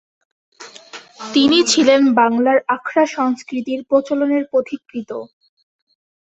তিনি ছিলেন বাংলার আখড়া সংস্কৃতির প্রচলনের পথিকৃৎ।